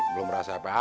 belum merasa apa apa